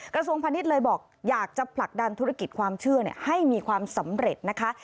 กระทรวงพาณิชย์เลยบอกอยากจะผลักดันธุรกิจความเชื่อให้มีความสำเร็จนะคะ